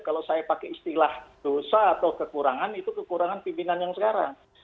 kalau saya pakai istilah dosa atau kekurangan itu kekurangan pimpinan yang sekarang